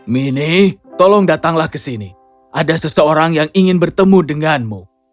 mini tolong datanglah ke sini ada seseorang yang ingin bertemu denganmu